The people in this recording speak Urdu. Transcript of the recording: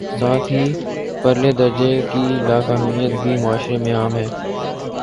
ساتھ ہی پرلے درجے کی لا قانونیت بھی معاشرے میں عام ہے۔